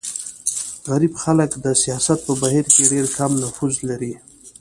غریب خلک د سیاست په بهیر کې ډېر کم نفوذ لري.